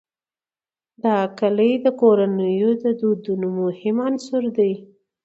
دا کلي د کورنیو د دودونو مهم عنصر دی.